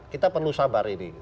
kita perlu sabar ini